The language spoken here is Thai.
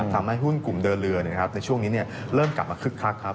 ทำให้หุ้นกลุ่มเดินเรือในช่วงนี้เริ่มกลับมาคึกคักครับ